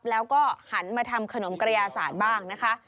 แล้วก็หันมาทำขนมกระยาศาสตร์บ้างนะคะ